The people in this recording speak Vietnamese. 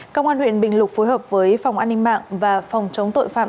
công an huyện bình lục phối hợp với phòng an ninh mạng và phòng chống tội phạm